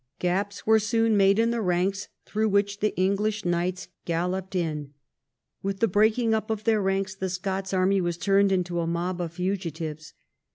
Gaps were soon made in the ranks, through which the English knights galloped in. With the breaking up of their ranks tlie Scots army was turned into a mob of fugitives.